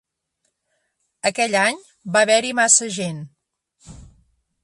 Aquell any va haver-hi massa gent.